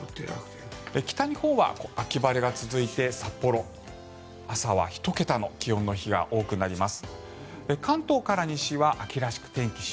北日本は秋晴れが続いて札幌、朝は１桁の気温の日が多くなります。